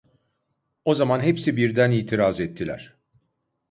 O zaman hepsi birden itiraz ettiler: